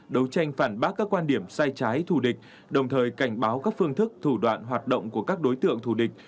đấu tranh phản bác các quan điểm sai trái thù địch đồng thời cảnh báo các phương thức thủ đoạn hoạt động của các đối tượng thù địch